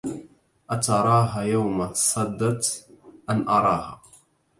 أتراها يوم صدت أن أراها